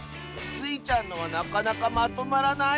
スイちゃんのはなかなかまとまらないッス